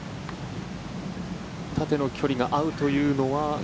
縦の距離が合うというのは。